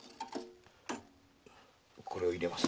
これを入れます。